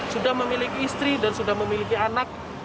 sudah memiliki istri dan sudah memiliki anak